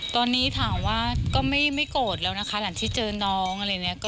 ตอนนี้ถามว่าก็ไม่โกรธแล้วนะคะหลังที่เจอน้องอะไรอย่างนี้